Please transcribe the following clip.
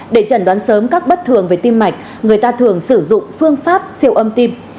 để chẩn đoán sớm các bất thường về tim mạch người ta thường sử dụng phương pháp siêu âm tim